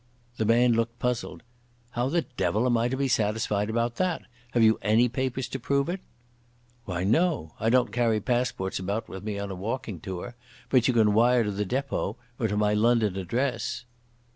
The man looked puzzled. "How the devil am I to be satisfied about that? Have you any papers to prove it?" "Why, no. I don't carry passports about with me on a walking tour. But you can wire to the depot, or to my London address."